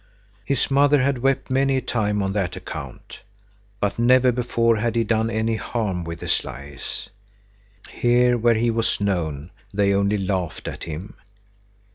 His mother had wept many a time on that account. But never before had he done any harm with his lies. Here, where he was known, they only laughed at him.